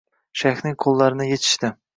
Shayxning qo`llarini echishdi